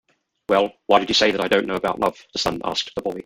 "Well, why did you say that I don't know about love?" the sun asked the boy.